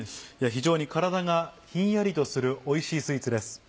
非常に体がひんやりとするおいしいスイーツです。